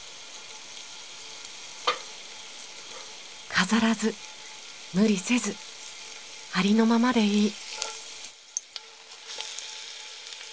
飾らず無理せずありのままでいい。